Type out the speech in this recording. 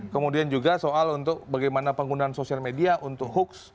kemudian juga soal untuk bagaimana penggunaan sosial media untuk hoax